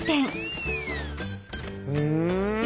うん？